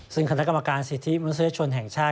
ซึ่งคณะกรรมการสิทธิมนุษยชนแห่งชาติ